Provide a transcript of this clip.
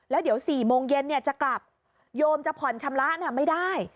แล้วเดี๋ยว๔โมงเย็นจะกลับโยมจะผ่อนชำระไม่ได้